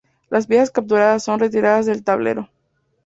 Las piezas capturadas son retiradas del tablero.